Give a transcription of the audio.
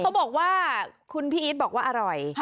เขาบอกว่าคุณพี่อีทบอกว่าอร่อย